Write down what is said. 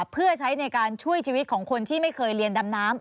เพื่อใช้ในการช่วยชีวิตของคนที่ไม่เคยเรียนดำน้ำ